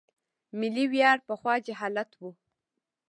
ملي ویاړ پخوا جهالت و.